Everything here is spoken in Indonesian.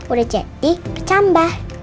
udah jadi kecambah